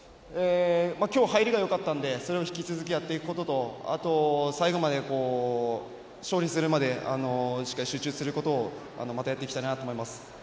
今日、入りがよかったのでそれを引き続きやっていくことと最後まで、勝利するまでしっかり集中することをまたやっていきたいと思います。